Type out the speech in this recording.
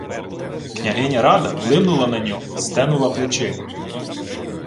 Княгиня Рада блимнула на нього й стенула плечима.